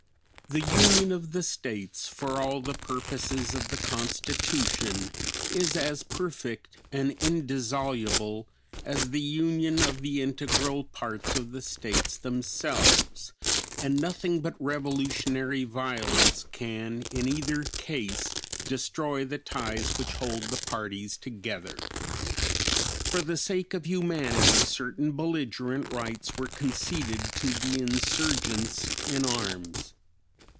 The Union of the States, for all the purposes of the constitution, is as perfect and indissoluble as the union of the integral parts of the States themselves; and nothing but revolutionary violence can in either case destroy the ties which hold the parties together. "For the sake of humanity certain belligerant rights were conceded to the insurgents in arms.